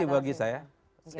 itu yang penting sih bagi saya